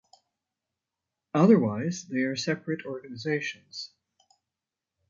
Otherwise, they are separate organizations.